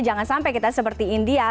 jangan sampai kita seperti india